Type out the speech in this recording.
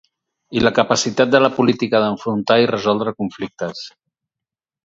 I la capacitat de la política d’enfrontar i resoldre conflictes.